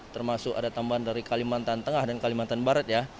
termasuk ada tambahan dari kalimantan tengah dan kalimantan barat ya